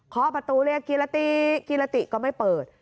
เพราะประตูเรียกกีฤติกีฤติก็ไม่เปิด